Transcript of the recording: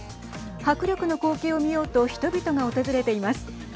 迫力の光景を見ようと人々が訪れています。